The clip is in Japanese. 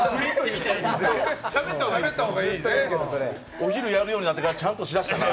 お昼やるようになってからちゃんとしだしたな。